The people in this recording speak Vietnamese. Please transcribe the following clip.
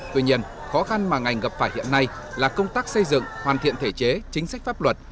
tuy nhiên khó khăn mà ngành gặp phải hiện nay là công tác xây dựng hoàn thiện thể chế chính sách pháp luật